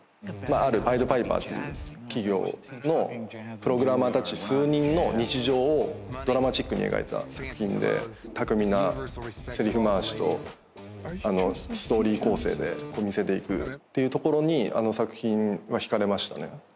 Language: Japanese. あるパイド・パイパーという企業のプログラマーたち数人の日常をドラマチックに描いた作品で巧みなセリフまわしとあのストーリー構成でみせていくっていうところにあの作品はひかれましたね